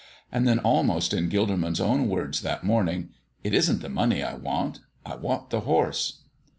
And then, almost in Gilderman's own words that morning: "It isn't the money I want; I want the horse."